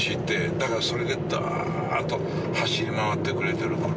だからそれでダーッと走り回ってくれてる。